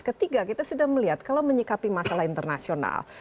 ketiga kita sudah melihat kalau menyikapi masalah internasional